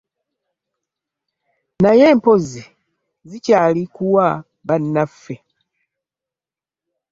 Naye mpozzi zikyali ku wa bannaffe.